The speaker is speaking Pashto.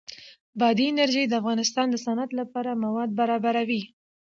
بادي انرژي د افغانستان د صنعت لپاره مواد برابروي.